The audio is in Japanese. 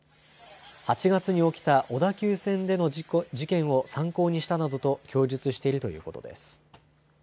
８月に起きた小田急線での事件を参考にしたなどと供述しているということです。